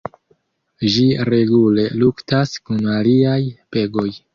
Ĝi regule luktas kun aliaj pegoj.